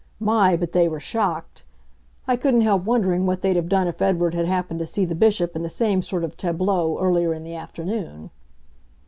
My, but they were shocked! I couldn't help wondering what they'd have done if Edward had happened to see the Bishop in the same sort of tableau earlier in the afternoon.